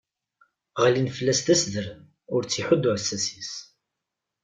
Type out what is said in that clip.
Ɣlin fell-as d aseddrem, ur tt-iḥudd uɛessas-is.